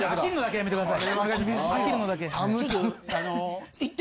・やめてください